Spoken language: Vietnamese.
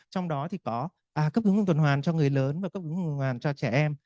trong đó thì có cấp cứu ngừng tuần hoàn cho người lớn và cấp cứu ngừng tuần hoàn cho trẻ em